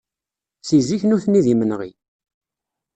Seg zik nutni d imenɣi.